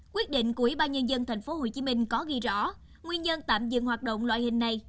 quyết định của ubnd tp hcm có ghi rõ nguyên nhân tạm dừng hoạt động loại hình này